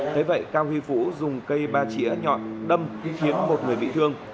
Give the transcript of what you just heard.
thế vậy cao huy vũ dùng cây ba chỉa nhọn đâm khiến một người bị thương